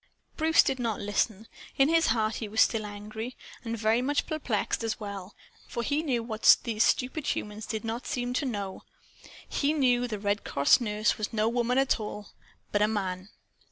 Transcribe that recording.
Bruce did not listen. In his heart he was still angry and very much perplexed as well. For he knew what these stupid humans did not seem to know. HE KNEW THE RED CROSS NURSE WAS NO WOMAN AT ALL, BUT A MAN.